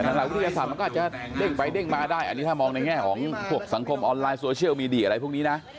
มันก็จะเด้งไปเด้งมาได้อันนี้ถ้ามองในแง่ของสังคมออนไลน์โซเชียลมีดีอะไรพวกนี้นะ